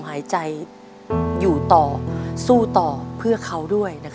ก็จะพูดห้ามถึงรึล่าง